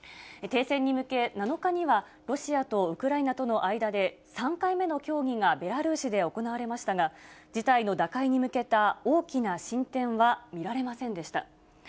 停戦に向け７日には、ロシアとウクライナとの間で３回目の協議がベラルーシで行われましたが、事態の打開に向けた大きな進展は見られませんでした。